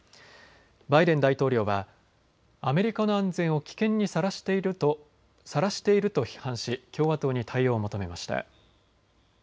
バイデン大統領はアメリカの安全を危険にさらしていると批判し共和党に対応を求めました。